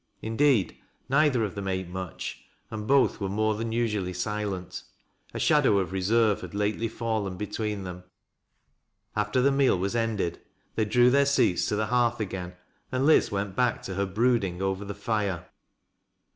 Indeed neither of them ate much and both were more than usually silent. A shadow of reserve had lately fallen between them. After the meal was ended they drew their seats to the hearth again, and Liz went back to her brooding over the fire.